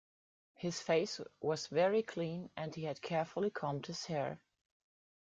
His face was very clean, and he had carefully combed his hair